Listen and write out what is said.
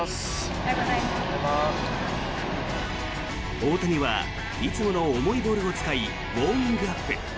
大谷はいつもの重いボールを使いウォーミングアップ。